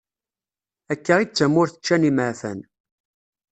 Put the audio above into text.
Akka i d tamurt ččan imeɛfan.